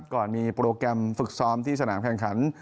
ก่อนมีโปรแกรมฝึกซ้อมที่สนามแข่งขัน